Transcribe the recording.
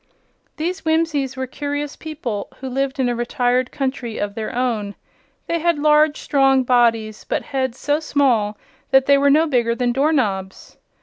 These Whimsies were curious people who lived in a retired country of their own. They had large, strong bodies, but heads so small that they were no bigger than door knobs.